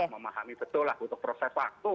memahami betul lah butuh proses waktu